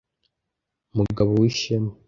mugabo w'ishema